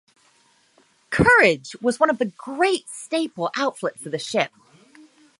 Courage was one of the great staple outfits of the ship.